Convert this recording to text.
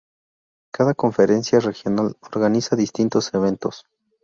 Cada conferencia regional organiza distintos eventos.